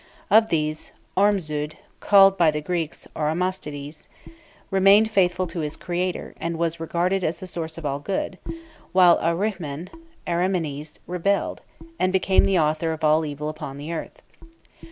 Of these, Ormuzd (called by the Greeks Oromasdes) remained faithful to his creator, and was regarded as the source of all good, while Ahriman (Arimanes) rebelled, and became the author of all evil upon the earth.